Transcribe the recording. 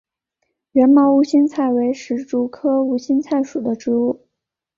缘毛无心菜为石竹科无心菜属的植物。